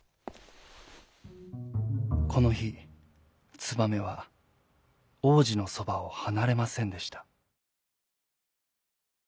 このひツバメはおうじのそばをはなれませんでした。